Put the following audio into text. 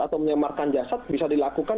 atau menyamarkan jasad bisa dilakukan